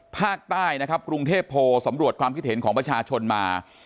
ภาคใต้นะครับกรุงเทพโพลสำรวจความคิดเห็นของประชาชนมา